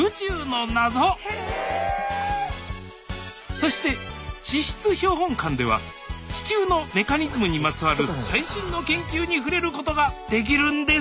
そして地質標本館では地球のメカニズムにまつわる最新の研究に触れることができるんです！